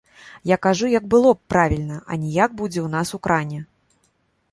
Я кажу, як было б правільна, а не як будзе ў нас у кране.